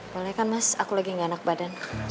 boleh kan mas aku lagi gak enak badan